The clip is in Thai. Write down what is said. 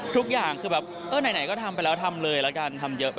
ทุกอย่างขึ้นแบบไหนก็ทำไปแล้วทำเลยละกัน